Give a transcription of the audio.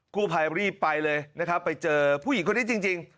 กู้ภัยรีบไปเลยนะครับไปเจอผู้หญิงคนนี้จริง